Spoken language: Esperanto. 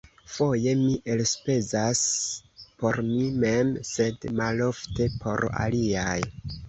Foje mi elspezas por mi mem, sed malofte por aliaj.